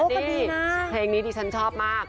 นี่เพลงนี้ดิฉันชอบมาก